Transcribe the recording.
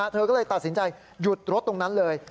เธอก็เลยตัดสินใจหยุดรถตรงนั้นเลย